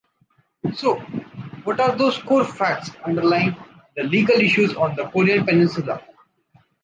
So, what are those core facts underlying the legal issues on the Korean peninsula?